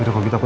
udah kok gitu